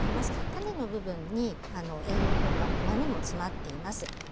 種の部分に栄養とかうまみも詰まっています。